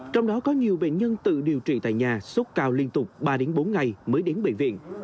trong đó có nhiều bệnh nhân tự điều trị tại nhà sốt cao liên tục ba bốn ngày mới đến bệnh viện